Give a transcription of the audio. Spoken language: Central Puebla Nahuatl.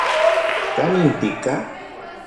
¿Kanin tika?